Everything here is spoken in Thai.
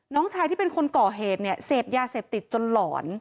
น้องชายที่เป็นคนก่อเหตุเนี่ยเสพยาเสพติดจนหลอน